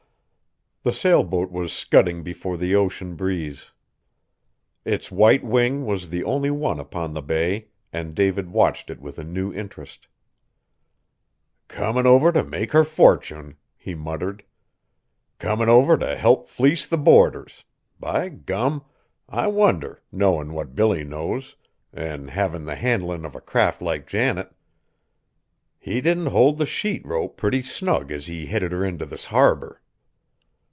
The sailboat was scudding before the ocean breeze. Its white wing was the only one upon the bay, and David watched it with a new interest. "Comin' over t' make her fortune," he muttered, "comin' over t' help fleece the boarders! By gum! I wonder, knowin' what Billy knows, an' havin' the handlin' of a craft like Janet, he didn't hold the sheet rope pretty snug as he headed her int' this harbor."